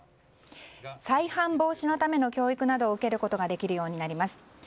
再犯防止のための教育などを受けることができるようになります。